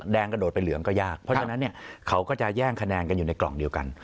กระโดดไปเหลืองก็ยากเพราะฉะนั้นเนี่ยเขาก็จะแย่งคะแนนกันอยู่ในกล่องเดียวกัน